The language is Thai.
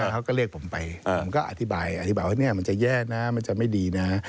เขาก็เรียกผมไปผมก็อธิบายอธิบายว่ามันจะแย่นะมันจะไม่ดีนะ